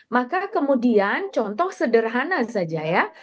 maka kemudian contoh sederhana saja ya